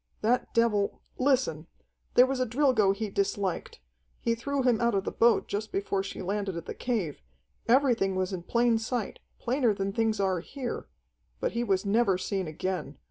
"That devil Listen: there was a Drilgo he disliked. He threw him out of the boat just before she landed at the cave. Everything was in plain sight, plainer than things are here. But he was never seen again.